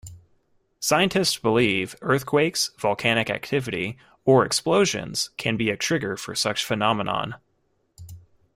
Scientists believe earthquakes, volcanic activity, or explosions can be a trigger for such phenomenon.